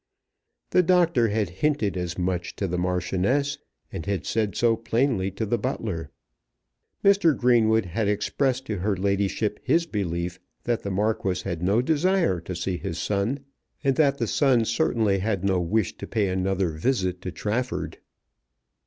The Doctor had hinted as much to the Marchioness, and had said so plainly to the butler. Mr. Greenwood had expressed to her ladyship his belief that the Marquis had no desire to see his son, and that the son certainly had no wish to pay another visit to Trafford.